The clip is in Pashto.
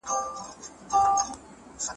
بریالي کسان به نویو بدلونونو ته هرکلی وایي.